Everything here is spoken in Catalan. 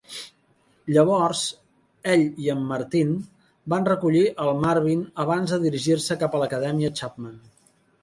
Llavors, ell i el Martin van recollir el Marvin abans de dirigir-se cap a l'Acadèmia Chapman.